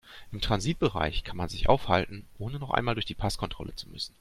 Im Transitbereich kann man sich aufhalten, ohne noch einmal durch die Passkontrolle zu müssen.